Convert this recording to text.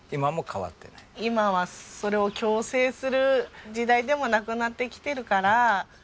今はそれを強制する時代でもなくなってきてるから。